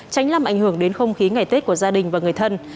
tránh làm ảnh hưởng đến không khí ngày tết của gia đình và người thân